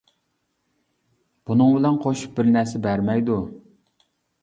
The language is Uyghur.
بۇنىڭ بىلەن قوشۇپ بىر نەرسە بەرمەيدۇ.